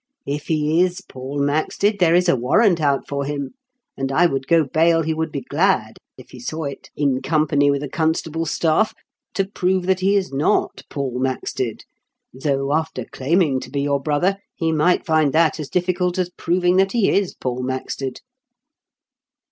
" If he is Paul Maxted, there is a warrant out for him ; and I would go bail he would be glad, if he saw it. THE KINQ^S PBE88. 283 in company with a constable's staff, to prove that he is not Paul Maxted; though, after daiming to be your brother, he might find that as difficult as proving that he is Paul Maxted."